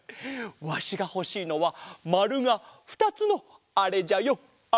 わしがほしいのはまるがふたつのあれじゃよあれ！